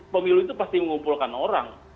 pemilu itu pasti mengumpulkan orang